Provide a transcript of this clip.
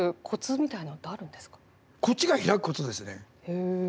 へえ。